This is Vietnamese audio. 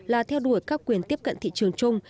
là theo đuổi các quyền tiếp cận thị trường chung